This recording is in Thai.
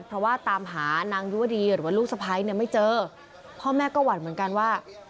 เพราะว่าตามหานางยุวดีหรือว่าลูกสะพ้ายเนี่ยไม่เจอพ่อแม่ก็หวั่นเหมือนกันว่า